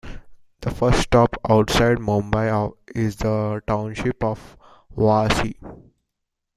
The first stop outside Mumbai is the township of Vashi.